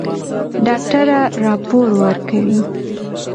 ډاکټره راپور ورکوي.